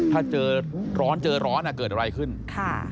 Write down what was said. ถ้าเจอร้อนเจอร้อนอ่ะเกิดอะไรขึ้นค่ะ